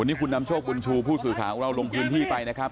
วันนี้คุณนำโชคบุญชูผู้สื่อข่าวของเราลงพื้นที่ไปนะครับ